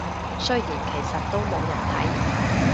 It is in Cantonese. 雖然其實都冇人睇